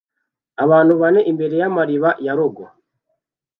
Abantu bane imbere yamariba fargo